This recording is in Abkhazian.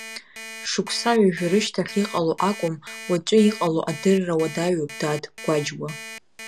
Шықәса ҩажәа рышьҭахь иҟало акәым, уаҵәы иҟало адырра уадаҩуп, дад, Гәаџьуа.